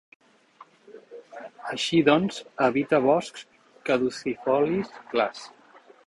Així doncs, habita boscs caducifolis clars.